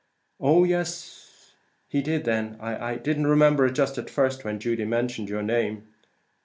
"Oh, yes, he did then; I didn't remember it just at first, when Judy mentioned your name."